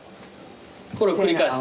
これを繰り返す。